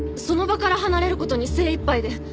その場から離れる事に精いっぱいで。